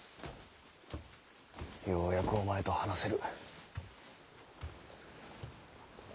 ようやくお前と話せる。